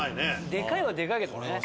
でかいはでかいけどね。